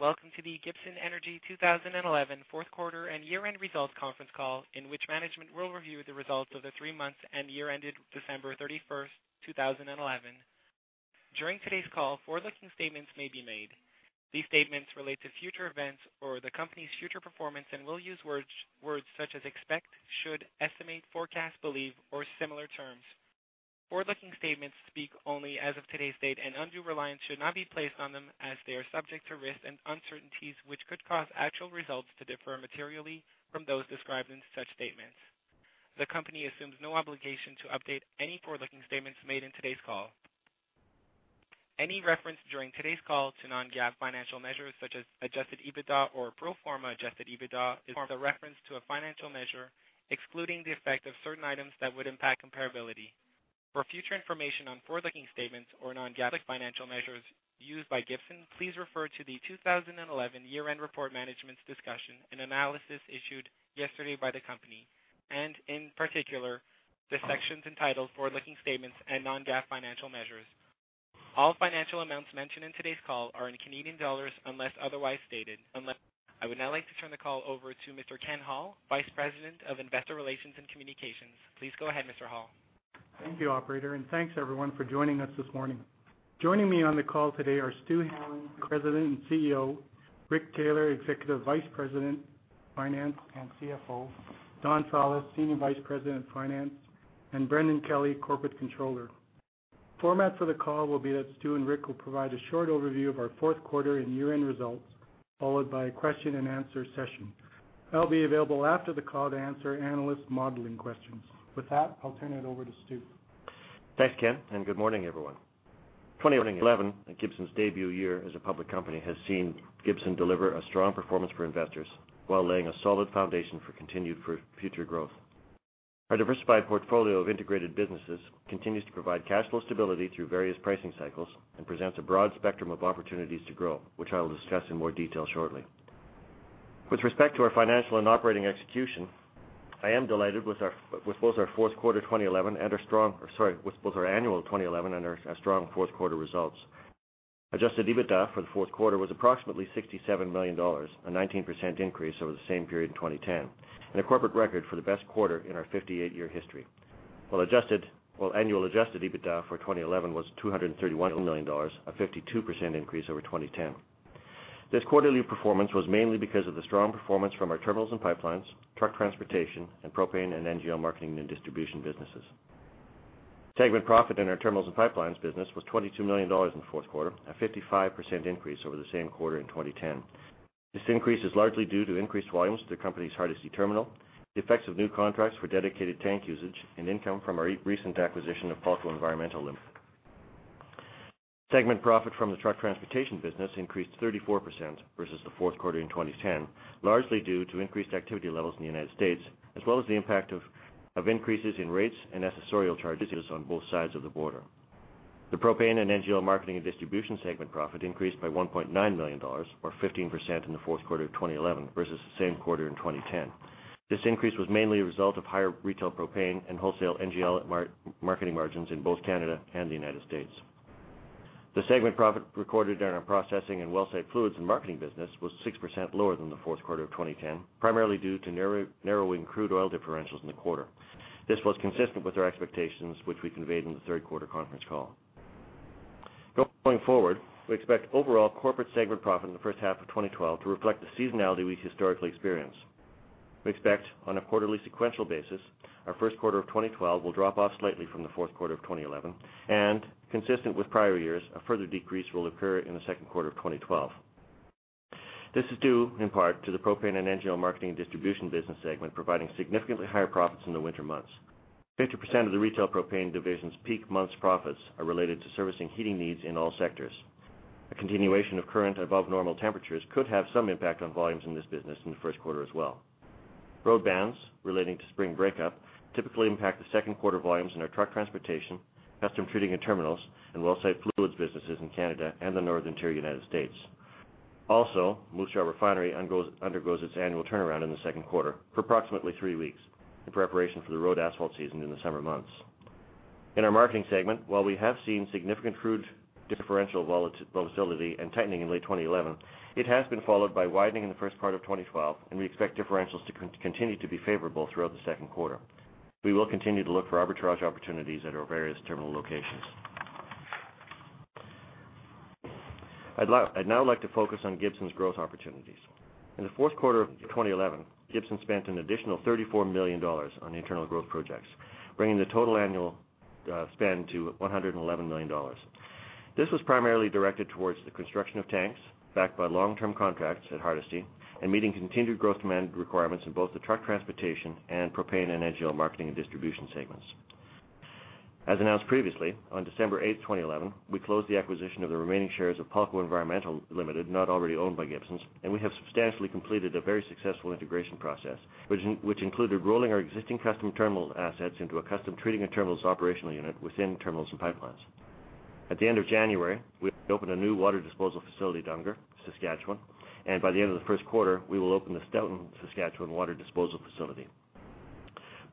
Welcome to the Gibson Energy 2011 Fourth Quarter and year-end results conference call, in which management will review the results of the three months and the year ended December 31st, 2011. During today's call, forward-looking statements may be made. These statements relate to future events or the company's future performance and will use words such as expect, should, estimate, forecast, believe, or similar terms. Forward-looking statements speak only as of today's date, and undue reliance should not be placed on them as they are subject to risks and uncertainties which could cause actual results to differ materially from those described in such statements. The company assumes no obligation to update any forward-looking statements made in today's call. Any reference during today's call to non-GAAP financial measures such as adjusted EBITDA or pro forma adjusted EBITDA is a reference to a financial measure excluding the effect of certain items that would impact comparability. For future information on forward-looking statements or non-GAAP financial measures used by Gibson, please refer to the 2011 year-end report management's discussion and analysis issued yesterday by the company and, in particular, the sections entitled "Forward-Looking Statements" and "Non-GAAP Financial Measures". All financial amounts mentioned in today's call are in Canadian dollars unless otherwise stated. I would now like to turn the call over to Mr. Ken Hall, Vice President of Investor Relations and Communications. Please go ahead, Mr. Hall. Thank you, operator, and thanks everyone for joining us this morning. Joining me on the call today are Stu Hanlon, President and CEO, Rick Taylor, Executive Vice President, Finance, and CFO, Don Fowlis, Senior Vice President of Finance, and Brendan Kelly, Corporate Controller. Format for the call will be that Stu and Rick will provide a short overview of our fourth quarter and year-end results, followed by a question and answer session. I'll be available after the call to answer analyst modeling questions. With that, I'll turn it over to Stu. Thanks, Ken, and good morning, everyone. 2011, and Gibson's debut year as a public company, has seen Gibson deliver a strong performance for investors while laying a solid foundation for continued future growth. Our diversified portfolio of integrated businesses continues to provide cash flow stability through various pricing cycles and presents a broad spectrum of opportunities to grow, which I will discuss in more detail shortly. With respect to our financial and operating execution, I am delighted with both our annual 2011 and our strong fourth-quarter results. Adjusted EBITDA for the fourth quarter was approximately 67 million dollars, a 19% increase over the same period in 2010, and a corporate record for the best quarter in our 58-year history. While annual adjusted EBITDA for 2011 was 231 million dollars, a 52% increase over 2010. This quarterly performance was mainly because of the strong performance from our terminals and pipelines, truck transportation, and propane and NGL marketing and distribution businesses. Segment profit in our terminals and pipelines business was 22 million dollars in the fourth quarter, a 55% increase over the same quarter in 2010. This increase is largely due to increased volumes at the company's Hardisty terminal, the effects of new contracts for dedicated tank usage, and income from our recent acquisition of Palko Environmental Ltd. Segment profit from the truck transportation business increased 34% versus the fourth quarter in 2010, largely due to increased activity levels in the United States, as well as the impact of increases in rates and accessorial charges on both sides of the border. The propane and NGL marketing and distribution segment profit increased by 1.9 million dollars, or 15% in the fourth quarter of 2011 versus the same quarter in 2010. This increase was mainly a result of higher retail propane and wholesale NGL marketing margins in both Canada and the United States. The segment profit recorded during our processing and wellsite fluids and marketing business was 6% lower than the fourth quarter of 2010, primarily due to narrowing crude oil differentials in the quarter. This was consistent with our expectations, which we conveyed on the third-quarter conference call. Going forward, we expect overall corporate segment profit in the first half of 2012 to reflect the seasonality we historically experience. We expect, on a quarterly sequential basis, our first quarter of 2012 will drop off slightly from the fourth quarter of 2011, and consistent with prior years, a further decrease will occur in the second quarter of 2012. This is due, in part, to the propane and NGL marketing and distribution business segment providing significantly higher profits in the winter months. 50% of the retail propane division's peak months profits are related to servicing heating needs in all sectors. A continuation of current above normal temperatures could have some impact on volumes in this business in the first quarter as well. Road bans relating to spring breakup typically impact the second quarter volumes in our truck transportation, custom treating and terminals, and wellsite fluids businesses in Canada and the northern interior United States. Moose Jaw Refinery undergoes its annual turnaround in the second quarter for approximately three weeks in preparation for the road asphalt season in the summer months. In our marketing segment, while we have seen significant crude differential volatility and tightening in late 2011, it has been followed by widening in the first part of 2012, and we expect differentials to continue to be favorable throughout the second quarter. We will continue to look for arbitrage opportunities at our various terminal locations. I'd now like to focus on Gibson's growth opportunities. In the fourth quarter of 2011, Gibson spent an additional CAD 34 million on internal growth projects, bringing the total annual spend to CAD 111 million. This was primarily directed towards the construction of tanks backed by long-term contracts at Hardisty and meeting continued growth demand requirements in both the truck transportation and propane and NGL marketing and distribution segments. As announced previously, on December 8th, 2011, we closed the acquisition of the remaining shares of Palko Environmental Ltd. not already owned by Gibson, and we have substantially completed a very successful integration process, which included rolling our existing custom terminal assets into a custom treating and terminals operational unit within terminals and pipelines. At the end of January, we opened a new water disposal facility at Oungre, Saskatchewan, and by the end of the first quarter, we will open the Stoughton, Saskatchewan water disposal facility.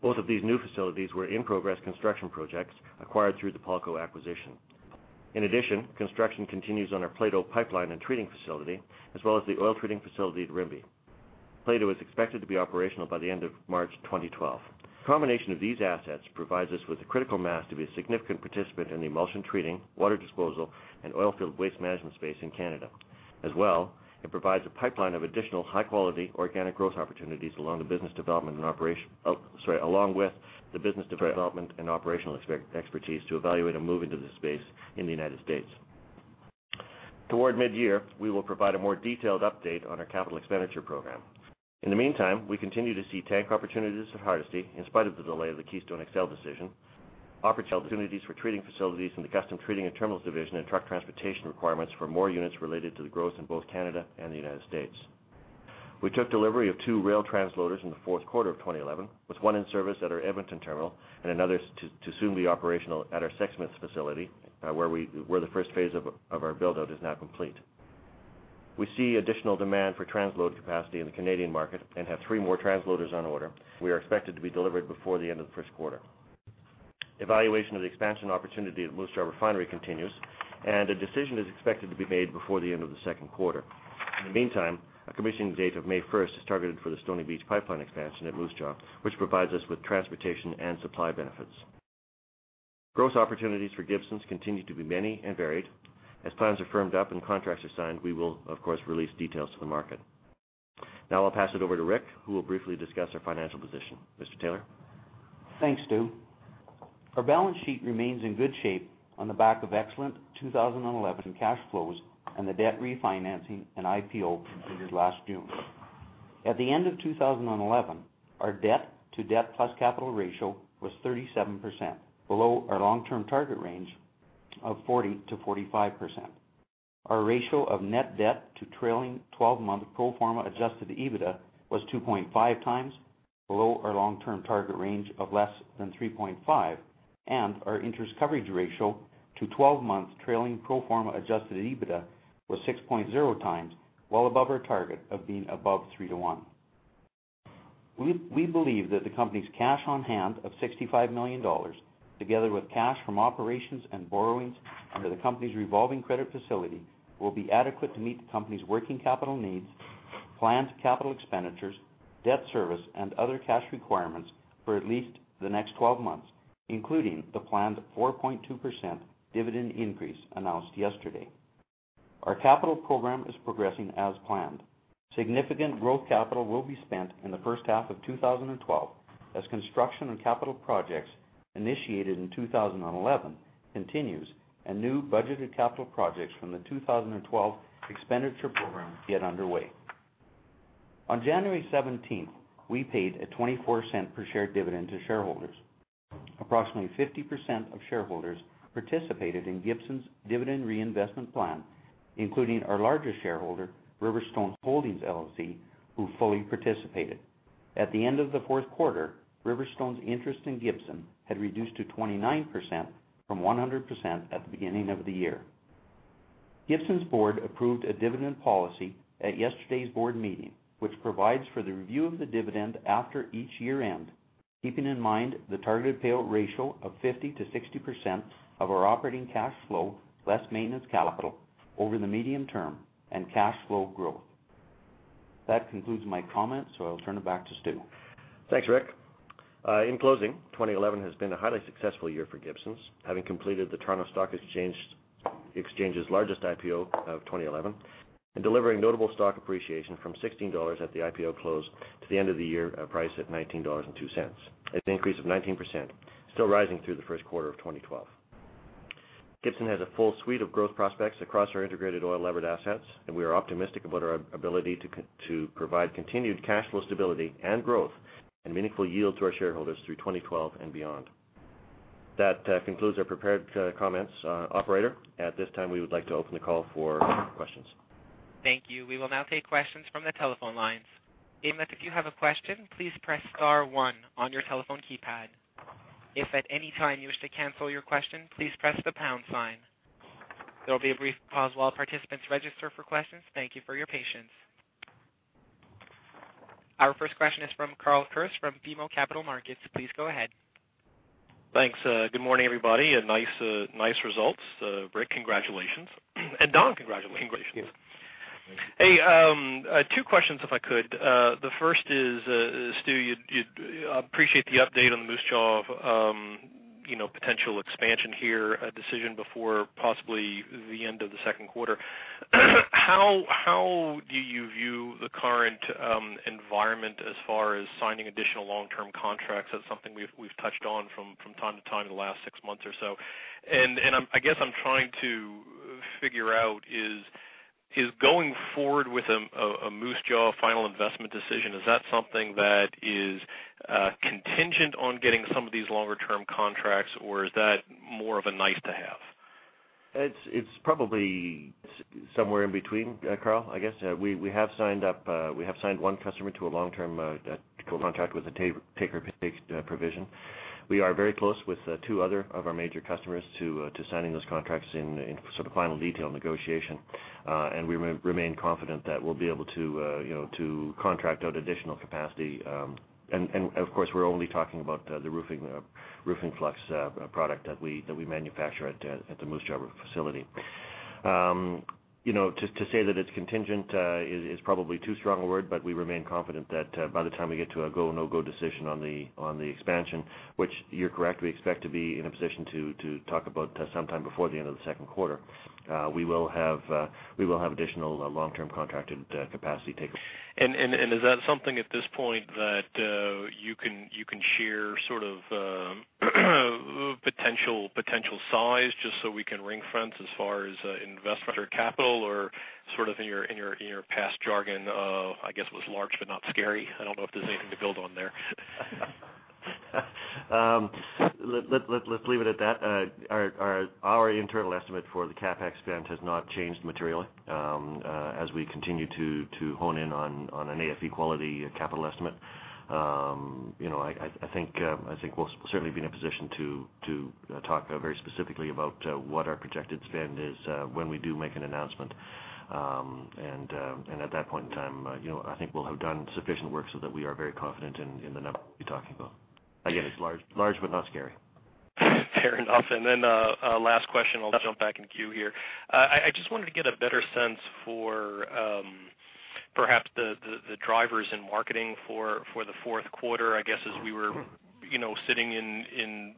Both of these new facilities were in-progress construction projects acquired through the Palko acquisition. In addition, construction continues on our Plato pipeline and treating facility, as well as the oil treating facility at Rimbey. Plato is expected to be operational by the end of March 2012. The combination of these assets provides us with the critical mass to be a significant participant in the emulsion treating, water disposal, and oil field waste management space in Canada. As well, it provides a pipeline of additional high-quality organic growth opportunities along with the business development and operational expertise to evaluate and move into the space in the United States. Toward mid-year, we will provide a more detailed update on our capital expenditure program. In the meantime, we continue to see tank opportunities at Hardisty in spite of the delay of the Keystone XL decision, opportunities for treating facilities in the custom treating and terminals division and truck transportation requirements for more units related to the growth in both Canada and the United States. We took delivery of two rail transloaders in the fourth quarter of 2011, with one in service at our Edmonton terminal and another to soon be operational at our Sexsmith facility, where the first phase of our build-out is now complete. We see additional demand for transload capacity in the Canadian market and have three more transloaders on order. They are expected to be delivered before the end of the first quarter. Evaluation of the expansion opportunity at Moose Jaw Refinery continues, and a decision is expected to be made before the end of the second quarter. In the meantime, a commissioning date of May 1st is targeted for the Stoney Beach pipeline expansion at Moose Jaw, which provides us with transportation and supply benefits. Growth opportunities for Gibson Energy's continue to be many and varied. As plans are firmed up and contracts are signed, we will of course, release details to the market. Now I'll pass it over to Rick, who will briefly discuss our financial position. Mr. Taylor? Thanks, Stu. Our balance sheet remains in good shape on the back of excellent 2011 cash flows and the debt refinancing and IPO completed last June. At the end of 2011, our debt to debt plus capital ratio was 37%, below our long-term target range of 40%-45%. Our ratio of net debt to trailing 12-month Pro Forma Adjusted EBITDA was 2.5x, below our long-term target range of less than 3.5x, and our interest coverage ratio to 12-month trailing Pro Forma Adjusted EBITDA was 6.0x, well above our target of being above 3-to-1. We believe that the company's cash on hand of 65 million dollars, together with cash from operations and borrowings under the company's revolving credit facility, will be adequate to meet the company's working capital needs, planned capital expenditures, debt service, and other cash requirements for at least the next 12 months, including the planned 4.2% dividend increase announced yesterday. Our capital program is progressing as planned. Significant growth capital will be spent in the first half of 2012 as construction on capital projects initiated in 2011 continues and new budgeted capital projects from the 2012 expenditure program get underway. On January 17th, we paid a 0.24 per share dividend to shareholders. Approximately 50% of shareholders participated in Gibson's dividend reinvestment plan, including our largest shareholder, Riverstone Holdings LLC, who fully participated. At the end of the fourth quarter, Riverstone's interest in Gibson had reduced to 29% from 100% at the beginning of the year. Gibson's board approved a dividend policy at yesterday's board meeting, which provides for the review of the dividend after each year-end, keeping in mind the targeted payout ratio of 50%-60% of our operating cash flow, less maintenance capital, over the medium term and cash flow growth. That concludes my comments, so I'll turn it back to Stu. Thanks, Rick. In closing, 2011 has been a highly successful year for Gibson's, having completed the Toronto Stock Exchange's largest IPO of 2011 and delivering notable stock appreciation from 16 dollars at the IPO close to the end of the year, a price at 19.02 dollars. It's an increase of 19%, still rising through the first quarter of 2012. Gibson has a full suite of growth prospects across our integrated oil-levered assets, and we are optimistic about our ability to provide continued cash flow stability and growth and meaningful yield to our shareholders through 2012 and beyond. That concludes our prepared comments. Operator, at this time, we would like to open the call for questions. Thank you. We will now take questions from the telephone lines. Operators, if you have a question, please press star one on your telephone keypad. If at any time you wish to cancel your question, please press the pound sign. There'll be a brief pause while participants register for questions. Thank you for your patience. Our first question is from Carl Kirst from BMO Capital Markets. Please go ahead. Thanks. Good morning, everybody. Nice results. Rick, congratulations. Don, congratulations. Thank you. Hey, two questions if I could. The first is, Stu, I appreciate the update on the Moose Jaw potential expansion here, a decision before possibly the end of the second quarter. How do you view the current environment as far as signing additional long-term contracts? That's something we've touched on from time to time in the last six months or so. I guess what I'm trying to figure out is, going forward with a Moose Jaw final investment decision, is that something that is contingent on getting some of these longer-term contracts, or is that more of a nice-to-have? It's probably somewhere in between, Carl, I guess. We have signed one customer to a long-term contract with a take or pay provision. We are very close with two other of our major customers to signing those contracts in sort of final detail negotiation. We remain confident that we'll be able to contract out additional capacity. Of course, we're only talking about the roofing flux product that we manufacture at the Moose Jaw facility. To say that it's contingent is probably too strong a word, but we remain confident that by the time we get to a go, no-go decision on the expansion, which you're correct, we expect to be in a position to talk about sometime before the end of the second quarter, we will have additional long-term contracted capacity taken. Is that something at this point that you can share sort of potential size, just so we can ring-fence as far as investment or capital or sort of in your past jargon, I guess it was large but not scary. I don't know if there's anything to build on there. Let's leave it at that. Our internal estimate for the CapEx spend has not changed materially as we continue to hone in on an AFE quality capital estimate. I think we'll certainly be in a position to talk very specifically about what our projected spend is when we do make an announcement. At that point in time, I think we'll have done sufficient work so that we are very confident in the number we'll be talking about. Again, it's large but not scary. Fair enough. Last question, I'll jump back in queue here. I just wanted to get a better sense for perhaps the drivers in marketing for the fourth quarter, I guess as we were sitting in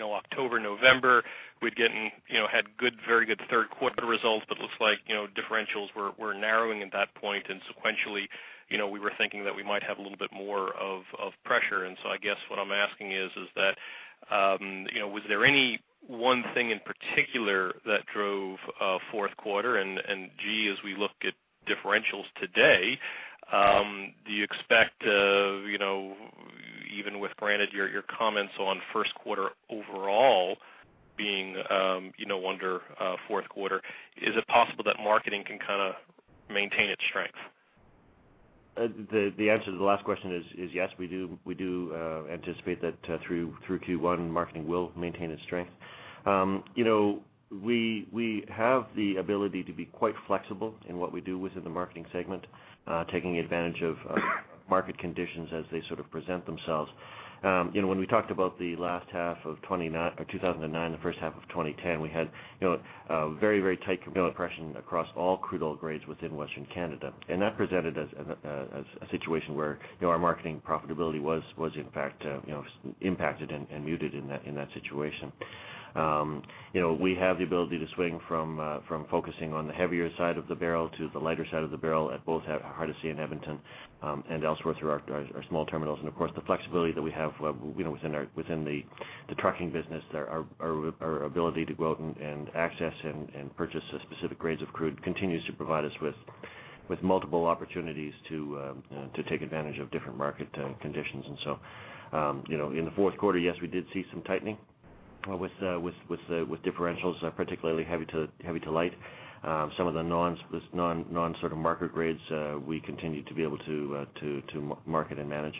October, November, we'd had very good third quarter results, but looks like differentials were narrowing at that point. Sequentially, we were thinking that we might have a little bit more of pressure. I guess what I'm asking is that, was there any one thing in particular that drove fourth quarter? Gee, as we look at differentials today, do you expect, even with, granted, your comments on first quarter overall being under fourth quarter, is it possible that marketing can maintain its strength? The answer to the last question is yes, we do anticipate that through Q1, marketing will maintain its strength. We have the ability to be quite flexible in what we do within the marketing segment, taking advantage of market conditions as they sort of present themselves. When we talked about the last half of 2009, the first half of 2010, we had a very tight compression across all crude oil grades within Western Canada. That presented as a situation where our marketing profitability was in fact impacted and muted in that situation. We have the ability to swing from focusing on the heavier side of the barrel to the lighter side of the barrel at both Hardisty and Edmonton, and elsewhere through our small terminals. Of course, the flexibility that we have within the trucking business, our ability to go out and access and purchase specific grades of crude continues to provide us with multiple opportunities to take advantage of different market conditions. In the fourth quarter, yes, we did see some tightening with differentials, particularly heavy to light. Some of the non-sort of market grades, we continue to be able to market and manage.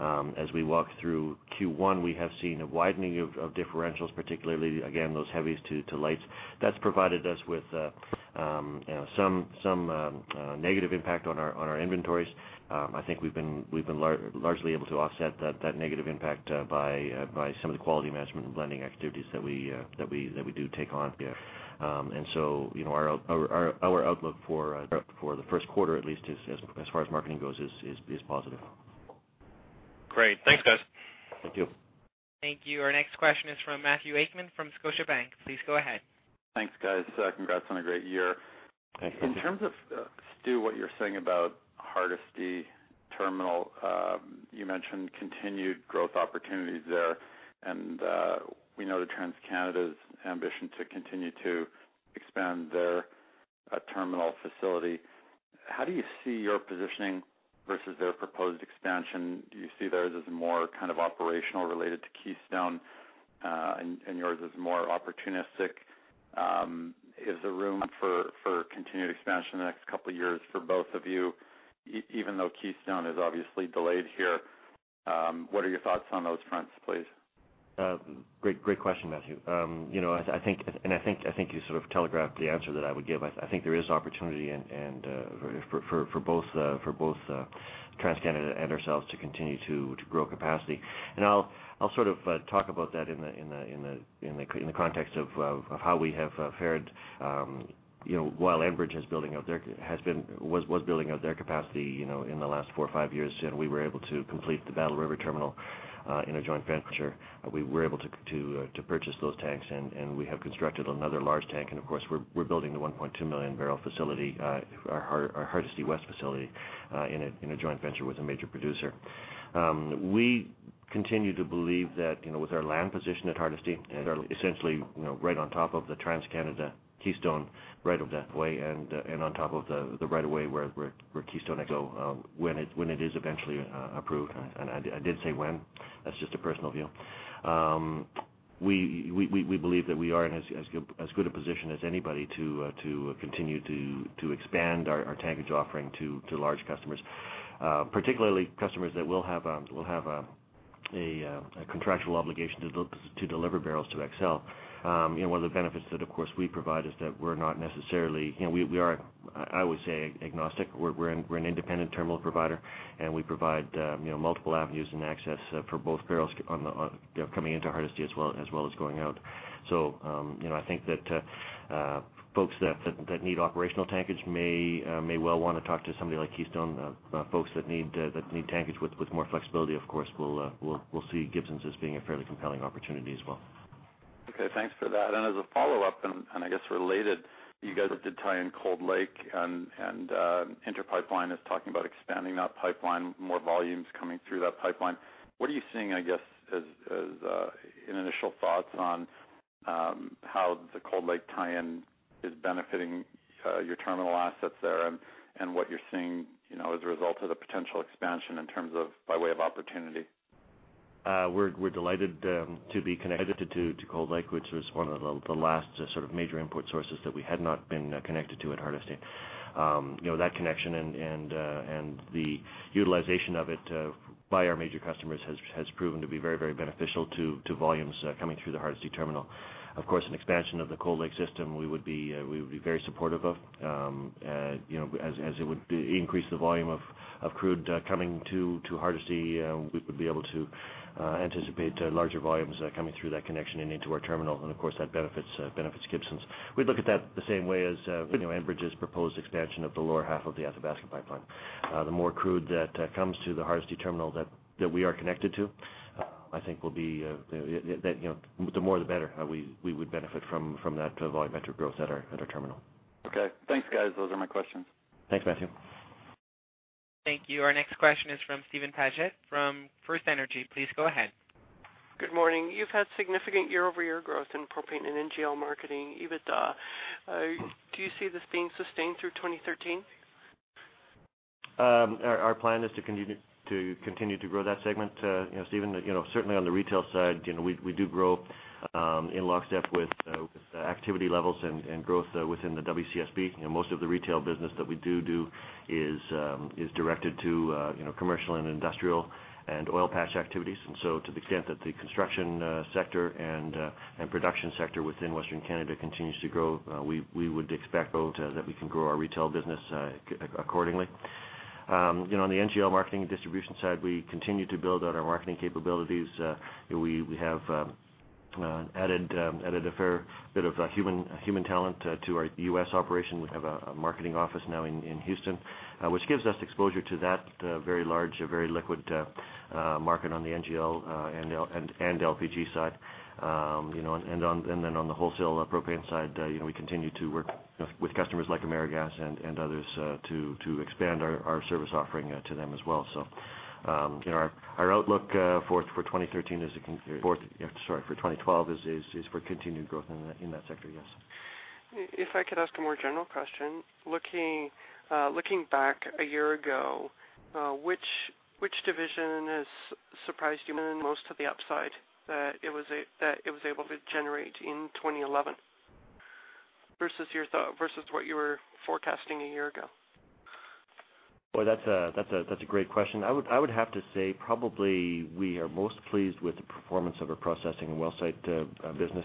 As we walk through Q1, we have seen a widening of differentials, particularly, again, those heavies to lights. That's provided us with some negative impact on our inventories. I think we've been largely able to offset that negative impact by some of the quality management and blending activities that we do take on. Our outlook for the first quarter, at least as far as marketing goes, is positive. Great. Thanks, guys. Thank you. Thank you. Our next question is from Matthew Akman from Scotiabank. Please go ahead. Thanks, guys. Congrats on a great year. Thank you. In terms of, Stu, what you're saying about Hardisty Terminal, you mentioned continued growth opportunities there. We know the TransCanada's ambition to continue to expand their terminal facility. How do you see your positioning versus their proposed expansion? Do you see theirs as more kind of operational related to Keystone, and yours as more opportunistic? Is there room for continued expansion in the next couple of years for both of you, even though Keystone is obviously delayed here? What are your thoughts on those fronts, please? Great question, Matthew. I think you sort of telegraphed the answer that I would give. I think there is opportunity for both TransCanada and ourselves to continue to grow capacity. I'll sort of talk about that in the context of how we have fared while Enbridge was building out their capacity in the last four or five years. We were able to complete the Battle River terminal in a joint venture. We were able to purchase those tanks, and we have constructed another large tank. Of course, we're building the 1.2 million-bbl facility, our Hardisty West facility, in a joint venture with a major producer. We continue to believe that with our land position at Hardisty, we are essentially right on top of the TransCanada Keystone right of way, and on top of the right of way where Keystone will go when it is eventually approved. I did say when. That's just a personal view. We believe that we are in as good a position as anybody to continue to expand our tankage offering to large customers. Particularly customers that will have a contractual obligation to deliver barrels to Xcel. One of the benefits that, of course, we provide is that we're not necessarily. We are, I would say, agnostic. We're an independent terminal provider, and we provide multiple avenues and access for both barrels coming into Hardisty as well as going out. I think that folks that need operational tankage may well want to talk to somebody like Keystone. Folks that need tankage with more flexibility, of course, will see Gibson's as being a fairly compelling opportunity as well. Okay, thanks for that. As a follow-up, and I guess related, you guys did tie in Cold Lake and Inter Pipeline is talking about expanding that pipeline, more volumes coming through that pipeline. What are you seeing, I guess, as initial thoughts on how the Cold Lake tie-in is benefiting your terminal assets there and what you're seeing as a result of the potential expansion in terms of by way of opportunity? We're delighted to be connected to Cold Lake, which was one of the last sort of major import sources that we had not been connected to at Hardisty. That connection and the utilization of it by our major customers has proven to be very, very beneficial to volumes coming through the Hardisty terminal. Of course, an expansion of the Cold Lake system, we would be very supportive of, as it would increase the volume of crude coming to Hardisty. We would be able to anticipate larger volumes coming through that connection and into our terminal, and of course, that benefits Gibson's. We'd look at that the same way as Enbridge's proposed expansion of the lower half of the Athabasca pipeline. The more crude that comes to the Hardisty terminal that we are connected to, I think the more the better. We would benefit from that volumetric growth at our terminal. Okay, thanks, guys. Those are my questions. Thanks, Matthew. Thank you. Our next question is from Steven Padgett from FirstEnergy. Please go ahead. Good morning. You've had significant year-over-year growth in propane and NGL marketing, EBITDA. Do you see this being sustained through 2013? Our plan is to continue to grow that segment, Steven. Certainly, on the retail side, we do grow in lockstep with activity levels and growth within the WCSB. Most of the retail business that we do is directed to commercial and industrial and oil patch activities. To the extent that the construction sector and production sector within Western Canada continues to grow, we would expect both that we can grow our retail business accordingly. On the NGL marketing and distribution side, we continue to build out our marketing capabilities. We have added a fair bit of human talent to our U.S. operation. We have a marketing office now in Houston, which gives us exposure to that very large, very liquid market on the NGL and LPG side. On the wholesale propane side, we continue to work with customers like AmeriGas and others to expand our service offering to them as well. Our outlook for 2013 is—sorry, for 2012, is for continued growth in that sector, yes. If I could ask a more general question. Looking back a year ago, which division has surprised you most to the upside that it was able to generate in 2011 versus what you were forecasting a year ago? Boy, that's a great question. I would have to say probably we are most pleased with the performance of our processing and wellsite business.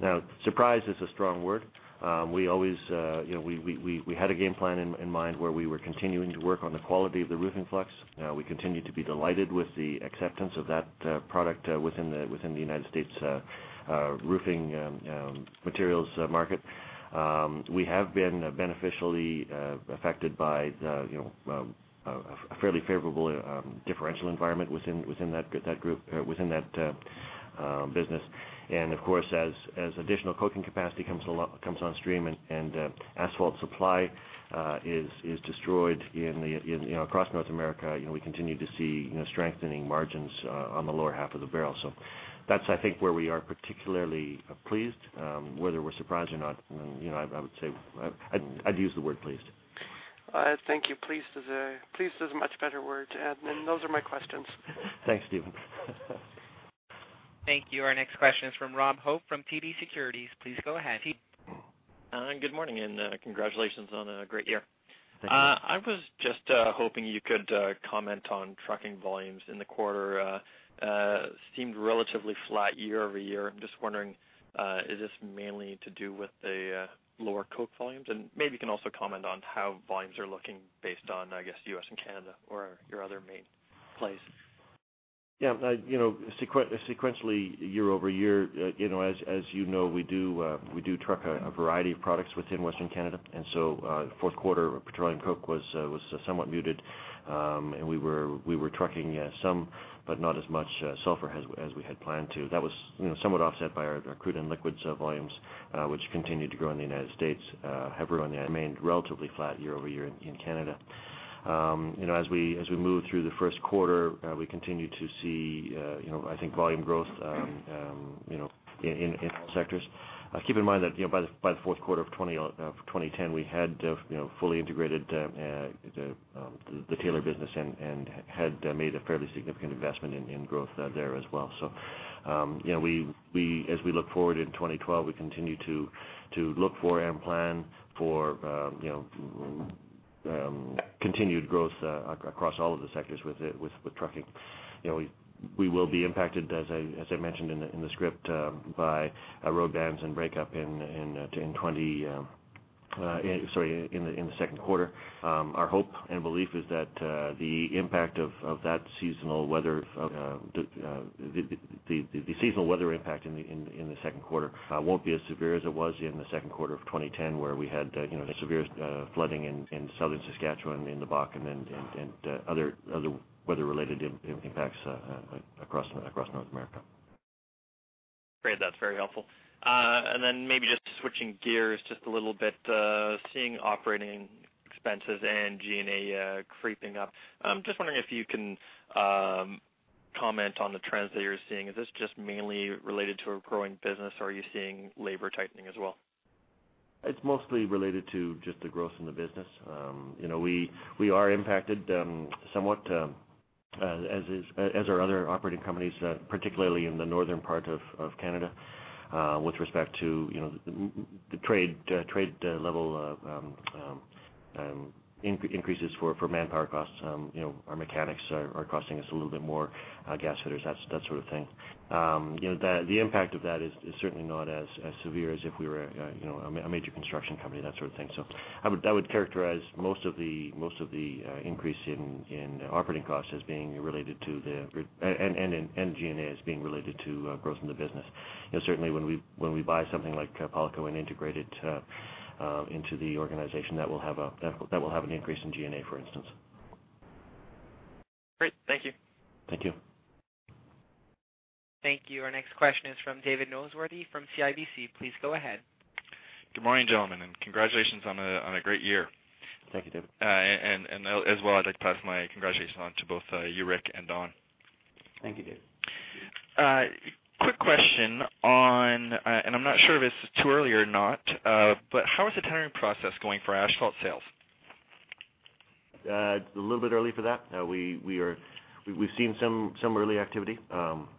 Now, surprise is a strong word. We had a game plan in mind where we were continuing to work on the quality of the roofing flux. We continue to be delighted with the acceptance of that product within the United States roofing materials market. We have been beneficially affected by a fairly favorable differential environment within that group or within that business. Of course, as additional coating capacity comes on stream and asphalt supply is destroyed across North America, we continue to see strengthening margins on the lower half of the barrel. That's, I think, where we are particularly pleased. Whether we're surprised or not, I'd use the word pleased. Thank you. Pleased is a much better word. Those are my questions. Thanks, Steven. Thank you. Our next question is from Robert Hope from TD Securities. Please go ahead. Good morning, and congratulations on a great year. Thank you. I was just hoping you could comment on trucking volumes in the quarter. Seemed relatively flat year-over-year. I'm just wondering, is this mainly to do with the lower coke volumes? Maybe you can also comment on how volumes are looking based on, I guess, U.S. and Canada or your other main place. Yeah. Sequentially, year-over-year, as you know, we do truck a variety of products within Western Canada, and so fourth quarter petroleum coke was somewhat muted. We were trucking some, but not as much sulfur as we had planned to. That was somewhat offset by our crude and liquids volumes, which continued to grow in the United States, however, remained relatively flat year-over-year in Canada. As we move through the first quarter, we continue to see volume growth in all sectors. Keep in mind that by the fourth quarter of 2010, we had fully integrated the Taylor business and had made a fairly significant investment in growth there as well. As we look forward in 2012, we continue to look for and plan for continued growth across all of the sectors with trucking. We will be impacted, as I mentioned in the script, by road bans and breakup in the second quarter. Our hope and belief is that the seasonal weather impact in the second quarter won't be as severe as it was in the second quarter of 2010, where we had the severe flooding in Southern Saskatchewan, in the Bakken, and other weather-related impacts across North America. Great. That's very helpful. Maybe just switching gears just a little bit, seeing operating expenses and G&A creeping up. I'm just wondering if you can comment on the trends that you're seeing. Is this just mainly related to a growing business, or are you seeing labor tightening as well? It's mostly related to just the growth in the business. We are impacted somewhat, as are other operating companies, particularly in the northern part of Canada with respect to the trade level increases for manpower costs. Our mechanics are costing us a little bit more, gas fitters, that sort of thing. The impact of that is certainly not as severe as if we were a major construction company, that sort of thing. I would characterize most of the increase in operating costs and G&A as being related to growth in the business. Certainly, when we buy something like Palko and integrate it into the organization, that will have an increase in G&A, for instance. Great. Thank you. Thank you. Thank you. Our next question is from David Noseworthy from CIBC. Please go ahead. Good morning, gentlemen, and congratulations on a great year. Thank you, David. As well, I'd like to pass my congratulations on to both you, Rick, and Don. Thank you, David. Quick question on, and I'm not sure if it's too early or not, but how is the tendering process going for asphalt sales? A little bit early for that. We've seen some early activity, and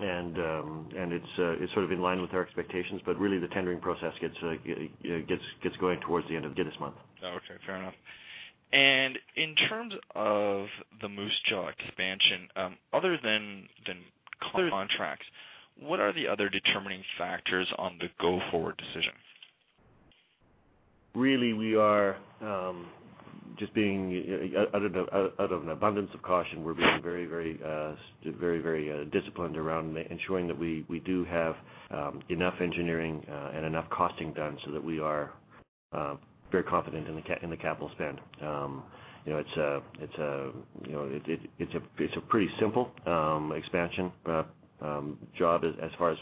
it's sort of in line with our expectations. Really, the tendering process gets going towards the end of this month. Okay, fair enough. In terms of the Moose Jaw expansion other than clear contracts, what are the other determining factors on the go-forward decision? Really, out of an abundance of caution, we're being very disciplined around ensuring that we do have enough engineering and enough costing done so that we are very confident in the capital spend. It's a pretty simple expansion job as far as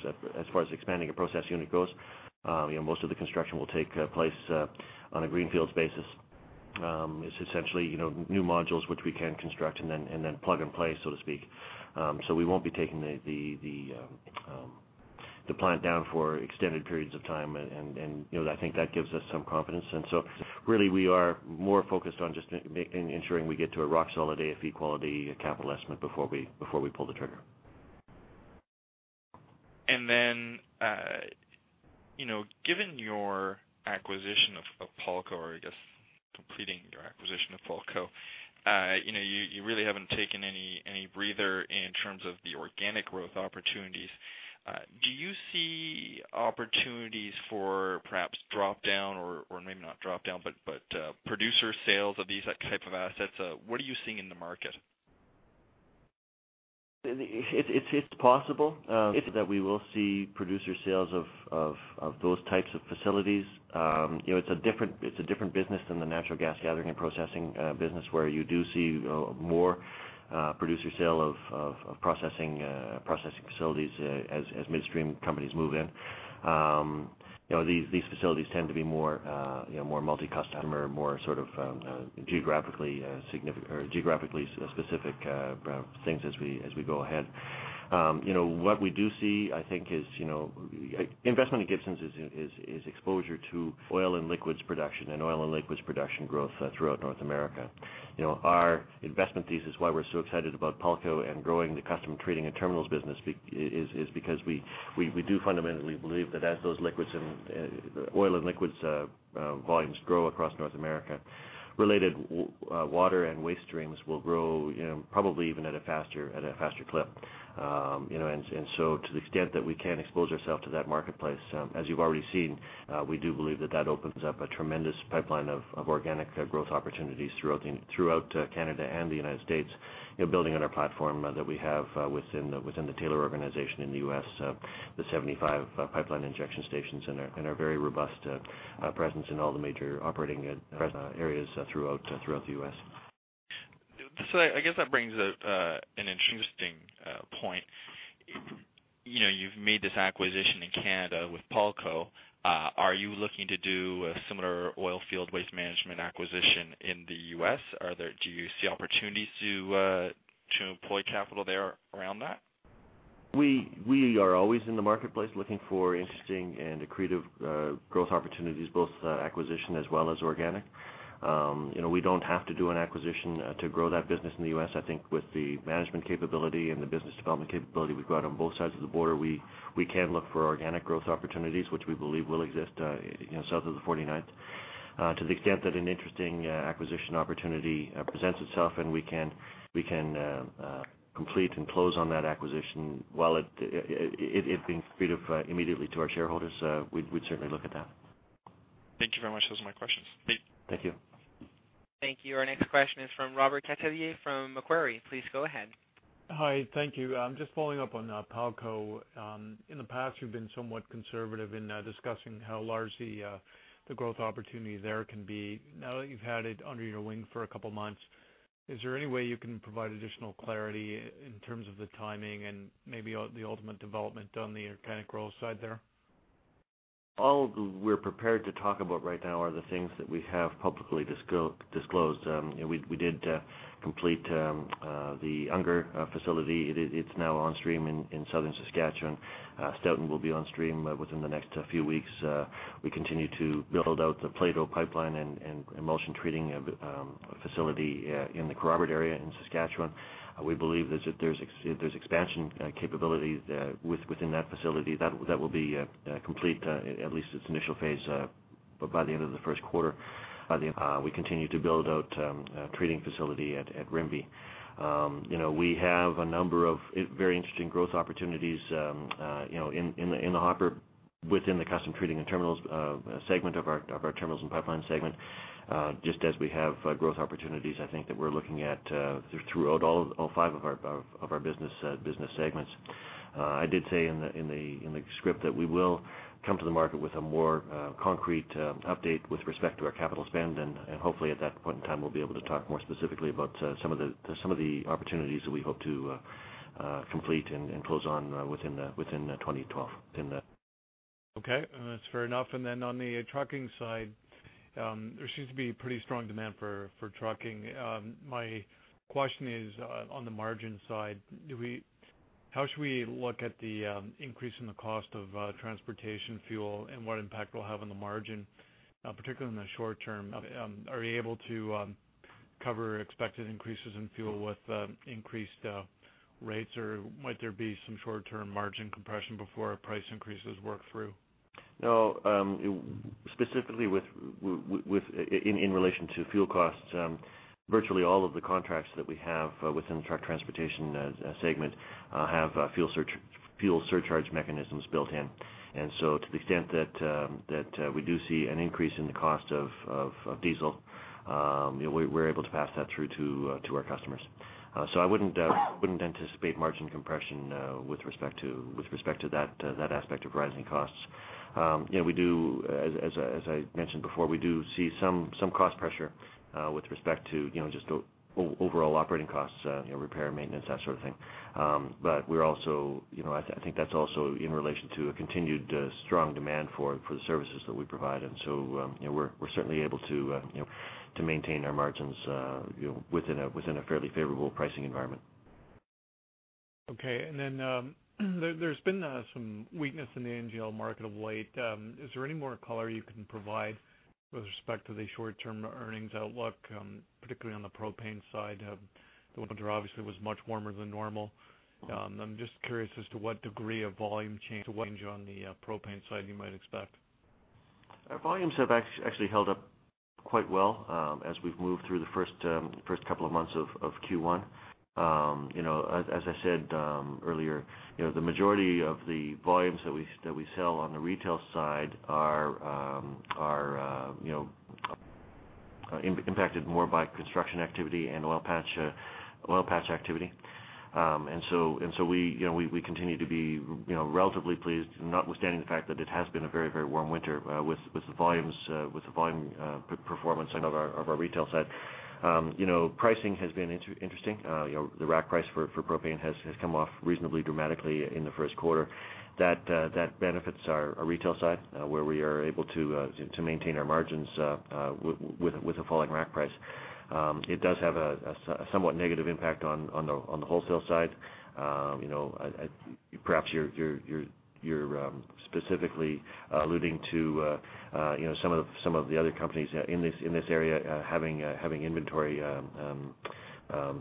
expanding a process unit goes. Most of the construction will take place on a greenfield basis. It's essentially new modules which we can construct and then plug and play, so to speak. We won't be taking the plant down for extended periods of time, and I think that gives us some confidence. Really, we are more focused on just ensuring we get to a rock solid AFE quality capital estimate before we pull the trigger. Given your acquisition of Palko, or I guess completing your acquisition of Palko, you really haven't taken any breather in terms of the organic growth opportunities. Do you see opportunities for perhaps drop-down or maybe not drop-down, but producer sales of these type of assets? What are you seeing in the market? It's possible that we will see producer sales of those types of facilities. It's a different business than the natural gas gathering and processing business where you do see more producer sale of processing facilities as midstream companies move in. These facilities tend to be more multi-customer, more sort of geographically specific things as we go ahead. What we do see, I think, is investment in Gibson is exposure to oil and liquids production and oil and liquids production growth throughout North America. Our investment thesis, why we're so excited about Palko and growing the custom treating and terminals business is because we do fundamentally believe that as those oil and liquids volumes grow across North America, related water and waste streams will grow probably even at a faster clip. To the extent that we can expose ourself to that marketplace, as you've already seen, we do believe that that opens up a tremendous pipeline of organic growth opportunities throughout Canada and the United States, building on our platform that we have within the Taylor organization in the U.S., the 75 pipeline injection stations and our very robust presence in all the major operating areas throughout the U.S. I guess that brings up an interesting point. You've made this acquisition in Canada with Palko. Are you looking to do a similar oil field waste management acquisition in the U.S.? Do you see opportunities to employ capital there around that? We are always in the marketplace looking for interesting and accretive growth opportunities, both acquisition as well as organic. We don't have to do an acquisition to grow that business in the U.S. I think with the management capability and the business development capability we've got on both sides of the border, we can look for organic growth opportunities, which we believe will exist south of the 49th. To the extent that an interesting acquisition opportunity presents itself and we can complete and close on that acquisition, while it being accretive immediately to our shareholders, we'd certainly look at that. Thank you very much. Those are my questions. Thank you. Thank you. Our next question is from Robert Catellier from Macquarie. Please go ahead. Hi. Thank you. Just following up on Palko. In the past, you've been somewhat conservative in discussing how large the growth opportunity there can be. Now that you've had it under your wing for a couple of months, is there any way you can provide additional clarity in terms of the timing and maybe the ultimate development on the organic growth side there? All we're prepared to talk about right now are the things that we have publicly disclosed. We did complete the Oungre facility. It's now on stream in southern Saskatchewan. Stoughton will be on stream within the next few weeks. We continue to build out the Plato pipeline and emulsion treating facility in the Kerrobert area in Saskatchewan. We believe that there's expansion capability within that facility that will be complete, at least its initial phase, by the end of the first quarter. We continue to build out a treating facility at Rimbey. We have a number of very interesting growth opportunities in the hopper within the custom treating and terminals segment of our terminals and pipeline segment, just as we have growth opportunities, I think, that we're looking at throughout all five of our business segments. I did say in the script that we will come to the market with a more concrete update with respect to our capital spend, and hopefully at that point in time, we'll be able to talk more specifically about some of the opportunities that we hope to complete and close on within 2012. Okay. That's fair enough. On the trucking side, there seems to be pretty strong demand for trucking. My question is, on the margin side, how should we look at the increase in the cost of transportation fuel and what impact it will have on the margin, particularly in the short term? Are you able to cover expected increases in fuel with increased rates, or might there be some short-term margin compression before price increases work through? No. Specifically in relation to fuel costs, virtually all of the contracts that we have within the truck transportation segment have fuel surcharge mechanisms built in. To the extent that we do see an increase in the cost of diesel, we're able to pass that through to our customers. I wouldn't anticipate margin compression with respect to that aspect of rising costs. As I mentioned before, we do see some cost pressure with respect to just the overall operating costs, repair, maintenance, that sort of thing. I think that's also in relation to a continued strong demand for the services that we provide. We're certainly able to maintain our margins within a fairly favorable pricing environment. Okay. There's been some weakness in the NGL market of late. Is there any more color you can provide with respect to the short-term earnings outlook, particularly on the propane side? The winter, obviously, was much warmer than normal. I'm just curious as to what degree of volume change on the propane side you might expect. Our volumes have actually held up quite well as we've moved through the first couple of months of Q1. As I said earlier, the majority of the volumes that we sell on the retail side are impacted more by construction activity and oil patch activity. We continue to be relatively pleased, notwithstanding the fact that it has been a very warm winter, with the volume performance of our retail side. Pricing has been interesting. The rack price for propane has come off reasonably dramatically in the first quarter. That benefits our retail side, where we are able to maintain our margins with a falling rack price. It does have a somewhat negative impact on the wholesale side. Perhaps you're specifically alluding to some of the other companies in this area having inventory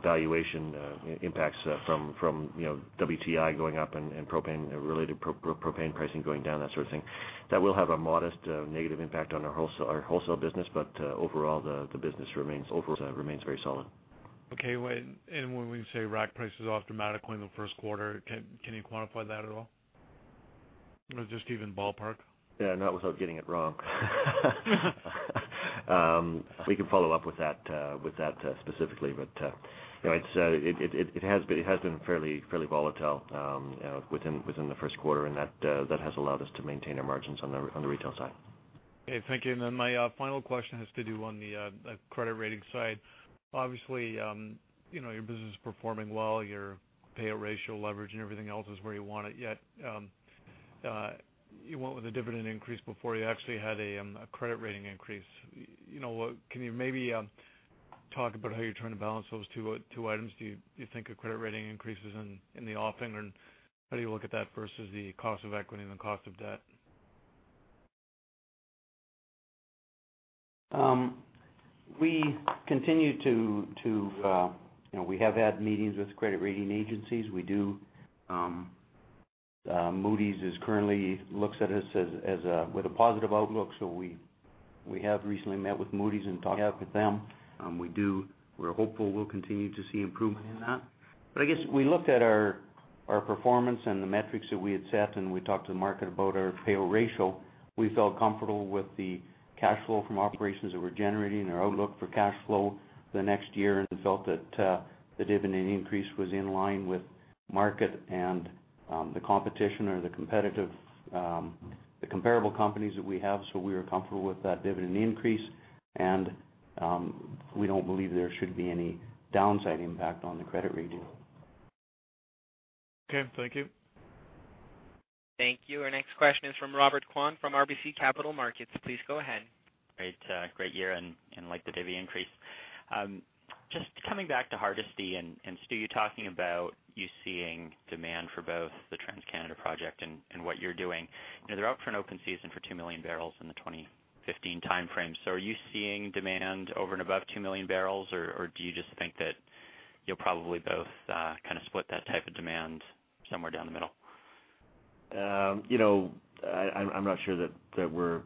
valuation impacts from WTI going up and related propane pricing going down, that sort of thing. That will have a modest negative impact on our wholesale business, but overall, the business remains very solid. Okay. When we say rack price is off dramatically in the first quarter, can you quantify that at all? Or just even ballpark? Yeah, not without getting it wrong. We can follow up with that specifically, but it has been fairly volatile within the first quarter, and that has allowed us to maintain our margins on the retail side. Okay. Thank you. My final question has to do with the credit rating side. Obviously, your business is performing well, your payout ratio leverage and everything else is where you want it. Yet, you went with a dividend increase before you actually had a credit rating increase. Can you maybe talk about how you're trying to balance those two items? Do you think a credit rating increase is in the offing? How do you look at that versus the cost of equity and the cost of debt? We have had meetings with credit rating agencies. Moody's currently looks at us with a positive outlook. We have recently met with Moody's and talked with them. We're hopeful we'll continue to see improvement in that. I guess we looked at our performance and the metrics that we had set, and we talked to the market about our payout ratio. We felt comfortable with the cash flow from operations that we're generating, our outlook for cash flow the next year, and felt that the dividend increase was in line with market and the competition or the comparable companies that we have. We were comfortable with that dividend increase, and we don't believe there should be any downside impact on the credit rating. Okay, thank you. Thank you. Our next question is from Robert Kwan from RBC Capital Markets. Please go ahead. Great year and like the divvy increase. Just coming back to Hardisty and Stu, you talking about you seeing demand for both the TransCanada project and what you're doing. They're out for an open season for 2 million bbl in the 2015 timeframe. Are you seeing demand over and above 2 million bbl, or do you just think that you'll probably both split that type of demand somewhere down the middle? I'm not sure that we're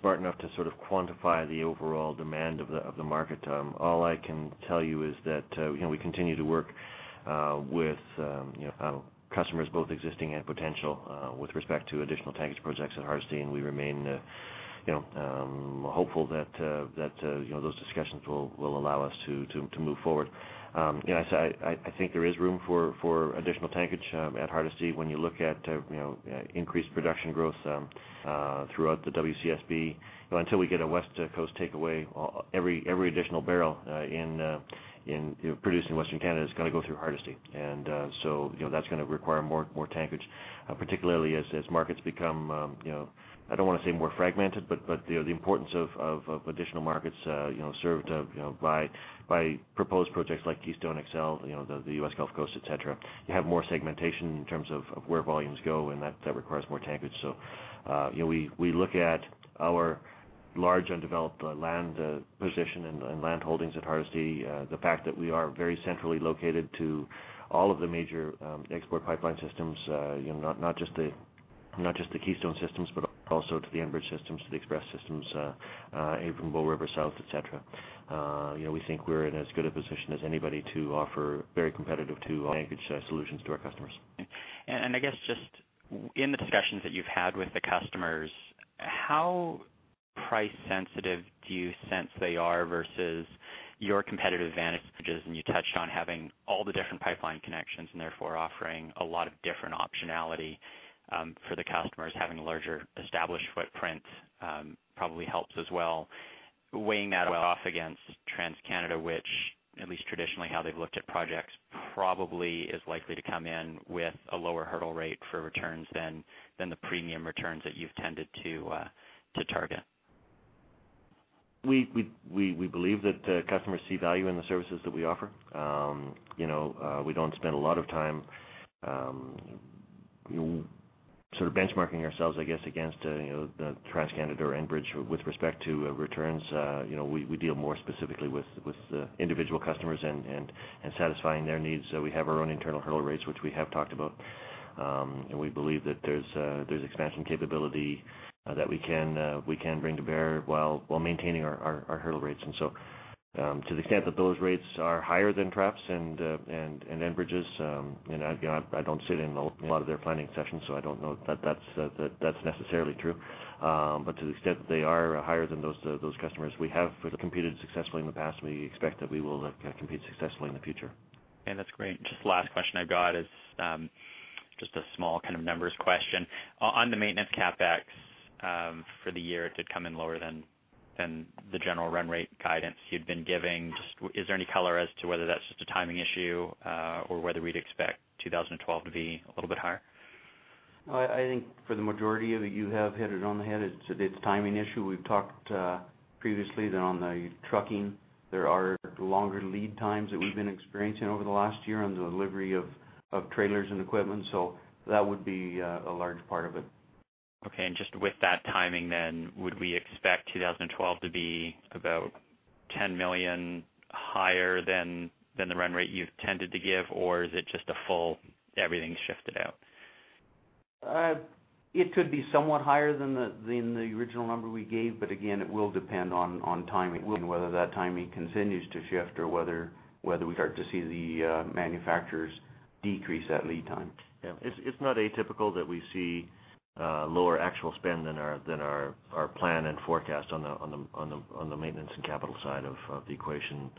smart enough to quantify the overall demand of the market. All I can tell you is that, we continue to work with customers, both existing and potential, with respect to additional tankage projects at Hardisty. We remain hopeful that those discussions will allow us to move forward. I think there is room for additional tankage at Hardisty when you look at increased production growth throughout the WCSB. Until we get a West Coast takeaway, every additional barrel produced in Western Canada is going to go through Hardisty. That's going to require more tankage, particularly as markets become, I don't want to say more fragmented, but the importance of additional markets served by proposed projects like Keystone XL, the U.S. Gulf Coast, etc. You have more segmentation in terms of where volumes go, and that requires more tankage. We look at our large undeveloped land position and land holdings at Hardisty. The fact that we are very centrally located to all of the major export pipeline systems, not just the Keystone systems, but also to the Enbridge systems, to the Express systems, [Avon], Bow River South, et cetera. We think we're in as good a position as anybody to offer very competitive tankage solutions to our customers. I guess just in the discussions that you've had with the customers, how price sensitive do you sense they are versus your competitive advantages? You touched on having all the different pipeline connections and therefore offering a lot of different optionality for the customers. Having a larger established footprint probably helps as well. Weighing that off against TransCanada, which at least traditionally how they've looked at projects, probably is likely to come in with a lower hurdle rate for returns than the premium returns that you've tended to target. We believe that customers see value in the services that we offer. We don't spend a lot of time benchmarking ourselves, I guess, against TransCanada or Enbridge with respect to returns. We deal more specifically with individual customers and satisfying their needs. We have our own internal hurdle rates, which we have talked about. We believe that there's expansion capability that we can bring to bear while maintaining our hurdle rates. To the extent that those rates are higher than, perhaps, Enbridge's, I don't sit in a lot of their planning sessions, so I don't know that that's necessarily true. To the extent that they are higher than those competitors we have competed successfully in the past, and we expect that we will compete successfully in the future. That's great. Just last question I've got is just a small kind of numbers question. On the maintenance CapEx for the year, it did come in lower than the general run rate guidance you'd been giving. Just is there any color as to whether that's just a timing issue or whether we'd expect 2012 to be a little bit higher? I think for the majority of it, you have hit it on the head. It's a timing issue. We've talked previously that on the trucking, there are longer lead times that we've been experiencing over the last year on the delivery of trailers and equipment. That would be a large part of it. Okay, just with that timing then, would we expect 2012 to be about 10 million higher than the run rate you've tended to give? Or is it just a full everything shifted out? It could be somewhat higher than the original number we gave, but again, it will depend on timing, whether that timing continues to shift or whether we start to see the manufacturers decrease that lead time. Yeah. It's not atypical that we see lower actual spend than our plan and forecast on the maintenance and capital side of the equation.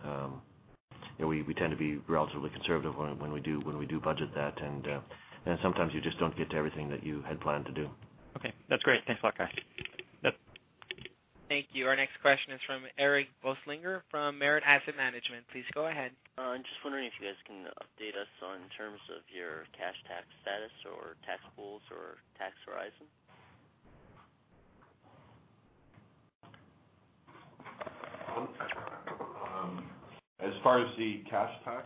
We tend to be relatively conservative when we do budget that, and sometimes you just don't get to everything that you had planned to do. Okay, that's great. Thanks a lot, guys. Thank you. Our next question is from Eric Busslinger from Marret Asset Management. Please go ahead. I'm just wondering if you guys can update us in terms of your cash tax status or tax pools or tax horizon. As far as the cash tax,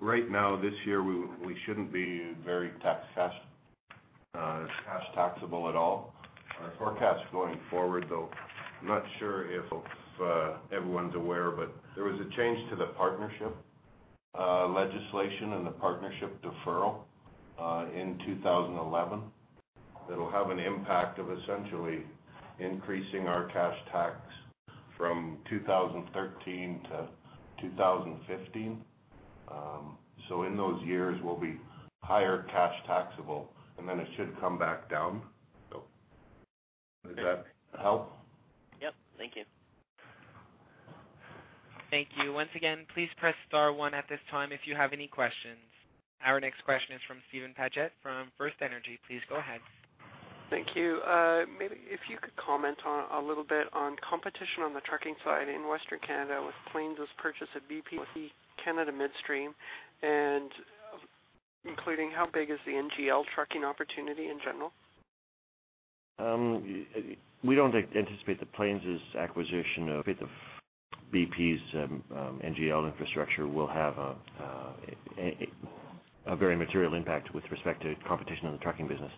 right now, this year, we shouldn't be very cash taxable at all. Our forecast going forward, though, I'm not sure if everyone's aware, but there was a change to the partnership legislation and the partnership deferral in 2011 that'll have an impact of essentially increasing our cash tax from 2013 to 2015. In those years, we'll be higher cash taxable, and then it should come back down. Does that help? Yep, thank you. Thank you. Once again, please press star one at this time if you have any questions. Our next question is from Steven Padgett from FirstEnergy. Please go ahead. Thank you. Maybe if you could comment a little bit on competition on the trucking side in Western Canada with Plains' purchase of BP Canada Energy Company, and including how big is the NGL trucking opportunity in general? We don't anticipate that Plains' acquisition of BP's NGL infrastructure will have a very material impact with respect to competition in the trucking business.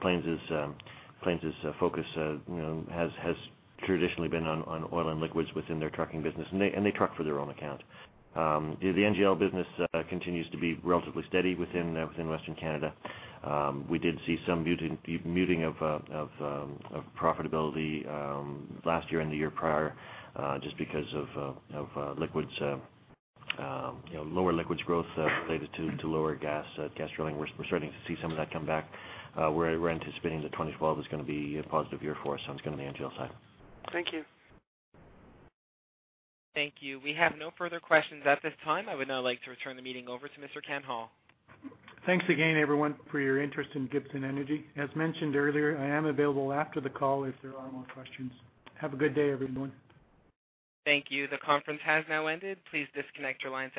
Plains' focus has traditionally been on oil and liquids within their trucking business, and they truck for their own account. The NGL business continues to be relatively steady within Western Canada. We did see some muting of profitability last year and the year prior just because of lower liquids growth related to lower gas drilling. We're starting to see some of that come back. We're anticipating that 2012 is going to be a positive year for us on the NGL side. Thank you. Thank you. We have no further questions at this time. I would now like to return the meeting over to Mr. Ken Hall. Thanks again, everyone, for your interest in Gibson Energy. As mentioned earlier, I am available after the call if there are more questions. Have a good day, everyone. Thank you. The conference has now ended. Please disconnect your lines.